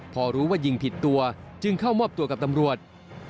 พอรู้ว่ายิงผิดตัวจึงเข้ามอบตัวกับตำรวจ